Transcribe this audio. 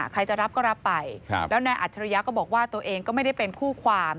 ใครจะรับก็รับไปแล้วนายอัจฉริยะก็บอกว่าตัวเองก็ไม่ได้เป็นคู่ความ